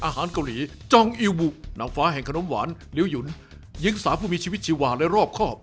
หลังฟ้าแห่งขนมหวานลิ้วยุลยิ้งสามผู้มีชีวิตชีวาและรอบครอบ